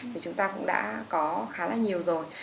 thì chúng ta cũng đã có khá là nhiều rồi